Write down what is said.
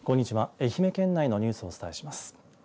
愛媛県内のニュースをお伝えします。